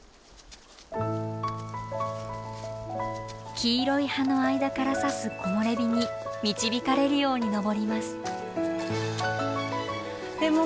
黄色い葉の間からさす木漏れ日に導かれるように登ります。